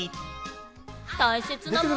大切なもの？